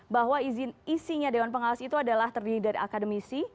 bahwa izin isinya dewan pengawas itu adalah terdiri dari akademisi